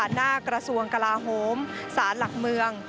หน้ากระทรวงกลาโหมศาลหลักเมือง